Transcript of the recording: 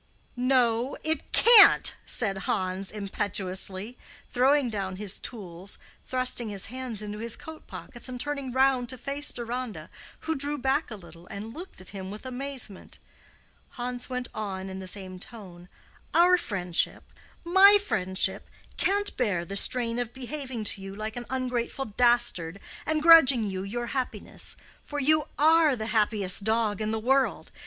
"No, it can't," said Hans, impetuously, throwing down his tools, thrusting his hands into his coat pockets, and turning round to face Deronda, who drew back a little and looked at him with amazement. Hans went on in the same tone, "Our friendship—my friendship—can't bear the strain of behaving to you like an ungrateful dastard and grudging you your happiness. For you are the happiest dog in the world.